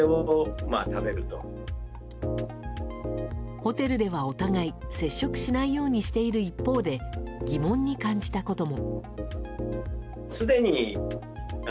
ホテルではお互い接触しないようにしている一方で疑問に感じたことも。